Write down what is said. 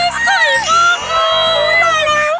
ตายแล้ว